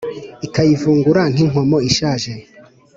Ikayivungura nk’inkomo ishaje